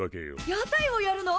屋台をやるの？